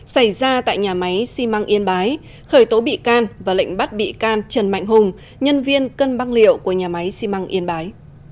xảy ra tại nhà máy xi măng yên bái khởi tố bị can và lệnh bắt bị can trần mạnh hùng nhân viên cân băng liệu của nhà máy xi măng yên bái